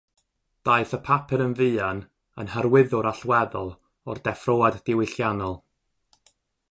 Daeth y papur yn fuan yn hyrwyddwr allweddol o'r deffroad diwylliannol.